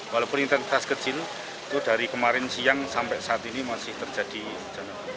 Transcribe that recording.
walaupun intensitas kecil itu dari kemarin siang sampai saat ini masih terjadi